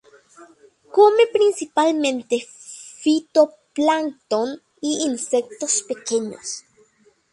Come principalmente fitoplancton y insectos pequeños.